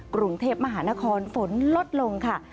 กรุงเทพมหานครฝนลดลงค่ะ